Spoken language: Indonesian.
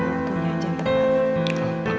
gak apa apa teman